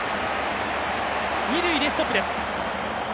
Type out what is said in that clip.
二塁でストップです。